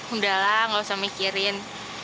udahlah nggak usah mikirin